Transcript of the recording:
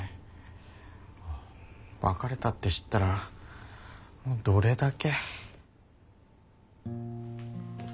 別れたって知ったらどれだけ。